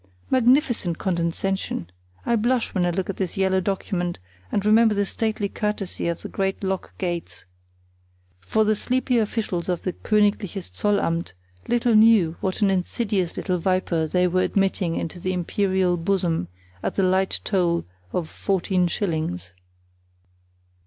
Magnificent condescension! I blush when I look at this yellow document and remember the stately courtesy of the great lock gates; for the sleepy officials of the Königliches Zollamt little knew what an insidious little viper they were admitting into the imperial bosom at the light toll of fourteen shillings.